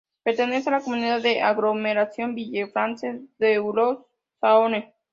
Pertenece a la comunidad de aglomeración Villefranche-Beaujolais-Saône